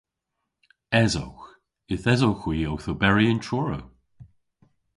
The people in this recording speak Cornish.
Esowgh. Yth esowgh hwi owth oberi yn Truru.